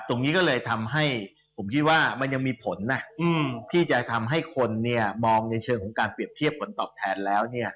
ตรงนี้ก็เลยทำให้ผมคิดว่ามันยังมีผลนะที่จะทำให้คนมองในเชิงของการเปรียบเทียบผลตอบแทนแล้ว